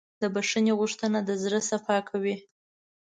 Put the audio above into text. د بښنې غوښتنه د زړه صفا کوي.